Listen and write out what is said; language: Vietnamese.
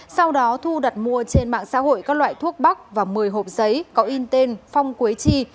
sau đó thu đặt mua trên mạng xã hội các loại thuốc bắc và một mươi hộp giấy có in tên phong quế chi